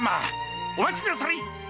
お待ちください！